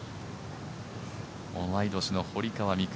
同い年の堀川未来